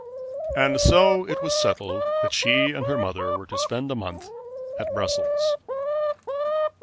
And so it was settled that she and her mother were to spend a month at Brussels.